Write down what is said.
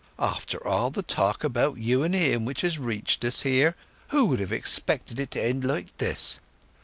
"After all the talk about you and him which has reached us here, who would have expected it to end like this!